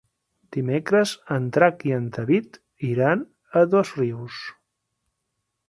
Dimecres en Drac i en David iran a Dosrius.